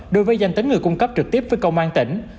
đối với danh tính người cung cấp trực tiếp với công an tỉnh